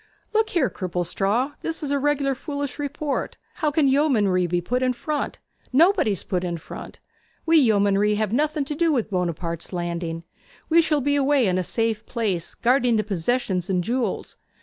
'Look here, Cripplestraw. This is a reg'lar foolish report. How can yeomanry be put in front? Nobody's put in front. We yeomanry have nothing to do with Buonaparte's landing. We shall be away in a safe place, guarding the possessions and jewels.